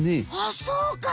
あそうか！